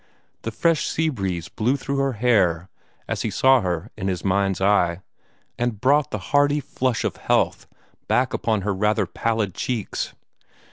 The fresh sea breeze blew through her hair, as he saw her in mind's eye, and brought the hardy flush of health back upon her rather pallid cheeks.